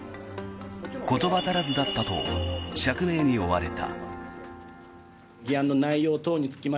言葉足らずだったと釈明に追われた。